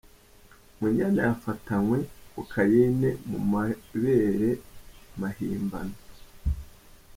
munyana Yafatanywe kokayine mu mabere mahimbano